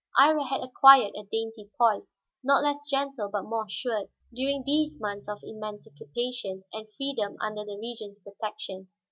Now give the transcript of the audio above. Iría had acquired a dainty poise, not less gentle but more assured, during these months of emancipation and freedom under the Regent's protection.